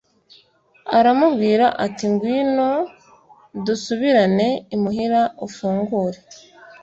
Aramubwira ati “Ngwino dusubirane imuhira ufungure”